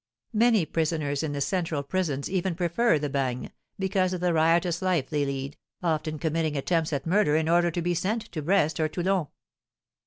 Many prisoners in the central prisons even prefer the bagne, because of the riotous life they lead, often committing attempts at murder in order to be sent to Brest or Toulon.